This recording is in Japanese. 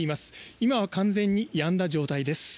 今は完全にやんだ状態です。